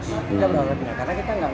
betul kita berharapnya sudah kota pertama mas